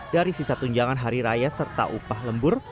dari sisa tunjangan hari raya serta upah lembur